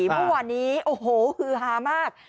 เมื่อวานนี้โอ้โหฮือฮามาก